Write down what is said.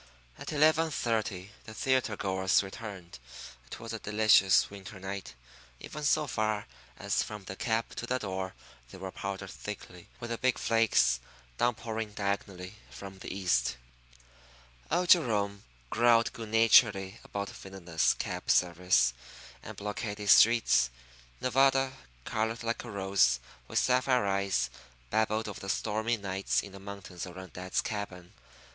At eleven thirty the theatre goers returned. It was a delicious winter night. Even so far as from the cab to the door they were powdered thickly with the big flakes downpouring diagonally from the east. Old Jerome growled good naturedly about villainous cab service and blockaded streets. Nevada, colored like a rose, with sapphire eyes, babbled of the stormy nights in the mountains around dad's cabin.